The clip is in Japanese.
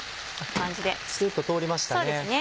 すっと通りましたね。